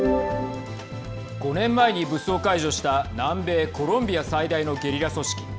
５年前に武装解除した南米・コロンビア最大のゲリラ組織。